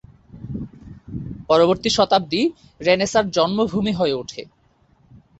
পরবর্তী শতাব্দী রেনেসাঁর জন্মভূমি হয়ে উঠে।